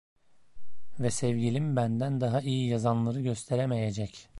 Ve sevgilim benden daha iyi yazanları gösteremeyecek.